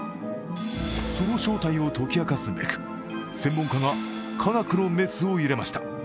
その正体を解き明かすべく専門家が科学のメスをいれました。